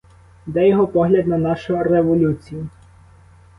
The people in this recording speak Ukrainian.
Де його погляд на нашу революцію?